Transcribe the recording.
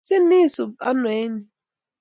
Sinisub ano eng yu?